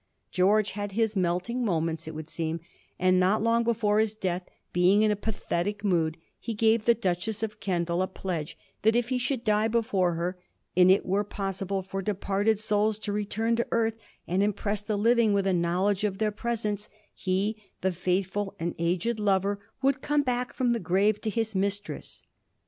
George had his melting moments, it would seem, and not long before his death, being in a pathetic mood, he gave the Duchess of Kendal a pledge that if he should die before her and it were possible for departed souls to return to earth and im press the living with a knowledge of their presence, he, the faithful and aged lover, would come back from the grave to his mistress.